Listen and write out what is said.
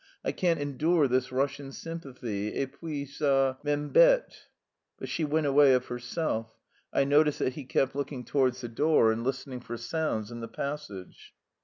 "I can't endure this Russian sympathy, et puis ça m'embête." But she went away of herself. I noticed that he kept looking towards the door and listening for sounds in the passage.